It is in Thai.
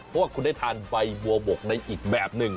เพราะว่าคุณได้ทานใบบัวบกในอีกแบบหนึ่ง